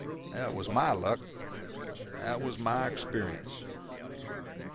That was my luck; that was my experience.